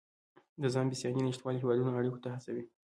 د ځان بسیاینې نشتوالی هیوادونه اړیکو ته هڅوي